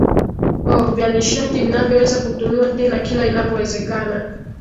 o vya nishati vinavyoweza kutumiwa tena kila inapowezekana